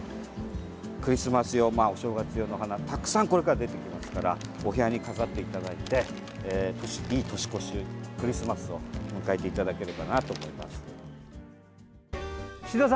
クリスマス用、お正月用の花たくさんこれから出てきますからお部屋に飾っていただいていい年越し、クリスマスを迎えていただければなと思います。